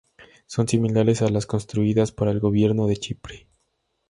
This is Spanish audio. Son similares a las construidas para el Gobierno de Chipre.